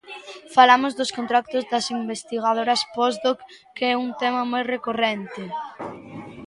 Falamos dos contratos das investigadoras postdoc, que é un tema moi recorrente.